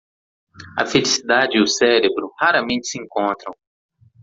A felicidade e o cérebro raramente se encontram.